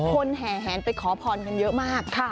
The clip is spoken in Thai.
คนแห่งไปขอพรกันเยอะมาก